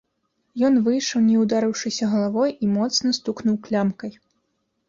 Ён выйшаў, не ўдарыўшыся галавой, і моцна стукнуў клямкай.